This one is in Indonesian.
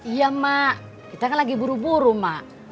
iya mak kita kan lagi buru buru mak